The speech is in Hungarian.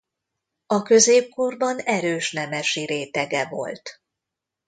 A középkorban erős nemesi rétege volt.